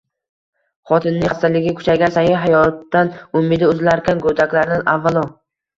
Xotinining xasgaligi kuchaygan sayin, hayotdan umidi uzilarkan, go'daklarni avvalo